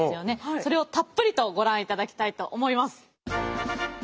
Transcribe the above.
それをたっぷりとご覧いただきたいと思います。